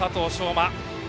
馬。